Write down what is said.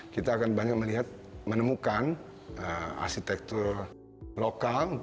kita akan banyak melihat menemukan arsitektur lokal